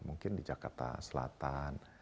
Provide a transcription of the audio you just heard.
mungkin di jakarta selatan